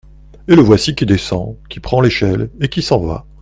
Et le voici qui descend, qui prend l’échelle, et qui s’en va.